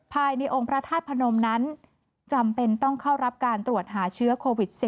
ภายในองค์พระธาตุพนมนั้นจำเป็นต้องเข้ารับการตรวจหาเชื้อโควิด๑๙